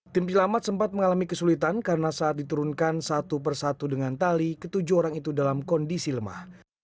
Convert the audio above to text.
tim penyelamat sempat mengalami kesulitan karena saat diturunkan satu persatu dengan tali ketujuh orang itu dalam kondisi lemah